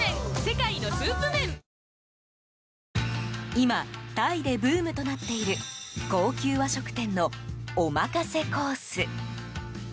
今、タイでブームとなっている高級和食店のおまかせコース。